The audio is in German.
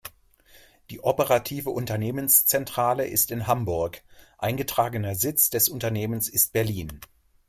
Die operative Unternehmenszentrale ist in Hamburg; eingetragener Sitz des Unternehmens ist Berlin.